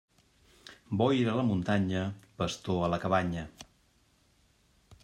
Boira a la muntanya, pastor a la cabanya.